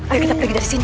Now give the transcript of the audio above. ayo kita pergi dari sini